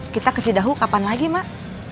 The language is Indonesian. kita ke cidahu kapan lagi mak